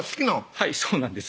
はいそうなんです